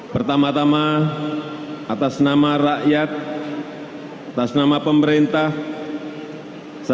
saya mengucapkan selamat hari pers kepada seluruh insan pers indonesia